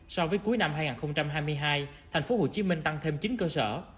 so với cuối năm hai nghìn hai mươi hai tp hcm tăng thêm chín cơ sở